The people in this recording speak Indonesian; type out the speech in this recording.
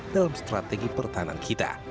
dalam strategi pertahanan kita